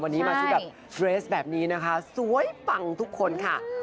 วันนี้มาชุดแบบเรสแบบนี้นะคะสวยปังทุกคนค่ะ